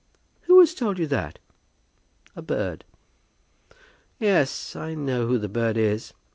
"Who has told you that?" "A bird." "Yes; I know who the bird is.